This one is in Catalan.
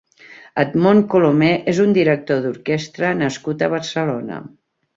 Edmon Colomer és un director d'orquestra nascut a Barcelona.